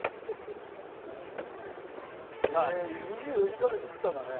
２４時間で作ったんだね。